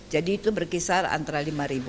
jadi itu berkisar antara lima